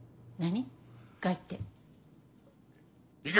何？